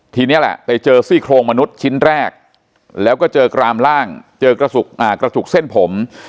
ทีนี้แหละไปเจอซี่โครงมนุษย์ชิ้นแรกแล้วก็เจอกรามล่างเจอกระจุกเส้นผม